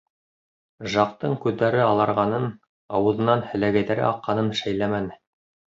Жактың күҙҙәре аларғанын, ауыҙынан һеләгәйҙәре аҡҡанын шәйләмәне.